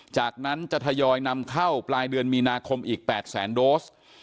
จากนั้นจะทยอยนำเข้าปลายเดือนมีนาคมอีก๘แสนโดส